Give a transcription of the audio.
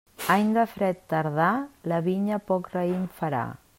Any de fred tardà, la vinya poc raïm farà.